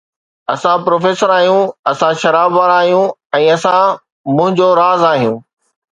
اسان پروفيسر آهيون، اسان شراب وارا آهيون، ۽ اسان منهنجو راز آهيون